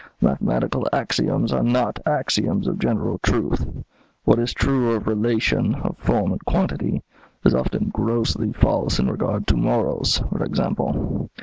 Mathematical axioms are not axioms of general truth. What is true of relation, of form and quantity, is often grossly false in regard to morals, for example.